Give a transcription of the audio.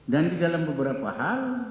dan di dalam beberapa hal